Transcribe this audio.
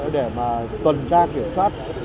để tuần tra kiểm soát